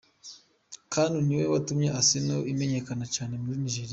Kanu niwe yatumye Arsenal imenyekana cane muri Nigeria.